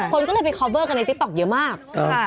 คนก็เลยไปคอเวอร์กันในติ๊กต๊อกเยอะมาก